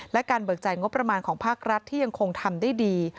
และการเบิกจ่ายงบประมาณของภาครัฐที่ยังคงทำได้ดี